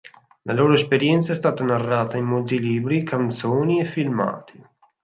La loro esperienza è stata narrata in molti libri, canzoni e filmati.